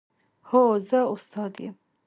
هو، زه استاد یم